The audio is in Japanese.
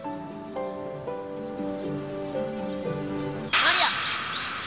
マリア！